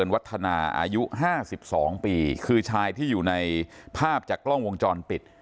วัฒนาอายุ๕๒ปีคือชายที่อยู่ในภาพจากกล้องวงจรปิด